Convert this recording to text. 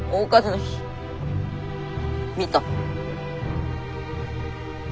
見た。